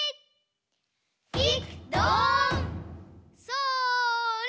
それ。